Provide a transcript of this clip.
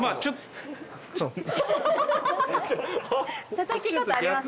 たたき方あります？